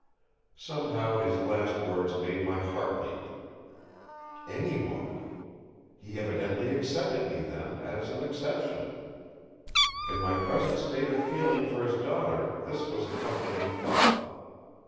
Somehow his last words made my heart leap. "Anyone!" He evidently accepted me, then, as an exception. In my present state of feeling for his daughter, this was a comforting thought.